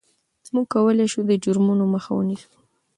موږ کولای شو د جرمونو مخه ونیسو.